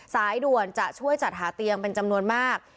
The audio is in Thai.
สายด่วนจะช่วยจัดหาเตียงเป็นจำนวนมาก